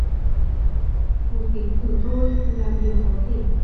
Một tiếng thở thôi, là điều có thể